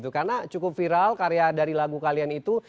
karena cukup viral karya dari lagu kalian itu